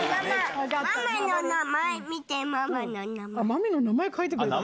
マミィの名前書いてくれたの？